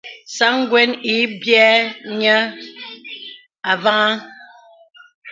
Sāŋ gwə́n ï biə̂ niə avàhàŋ.